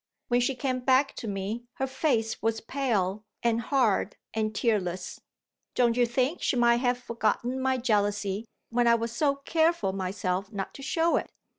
When she came back to me, her face was pale and hard and tearless. Don't you think she might have forgotten my jealousy, when I was so careful myself not to show it?